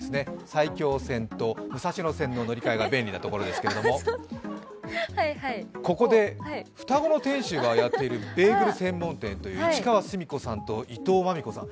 埼京線と武蔵野線の乗り換えが便利ところですが、ここで双子の店主がやっているベーグル専門店、市川寿美子さんと伊藤万美子さん。